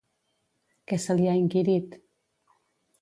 Què se li ha inquirit?